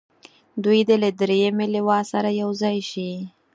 دوی دې له دریمې لواء سره یو ځای شي.